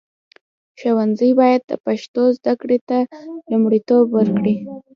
ښوونځي باید د پښتو زده کړې ته لومړیتوب ورکړي.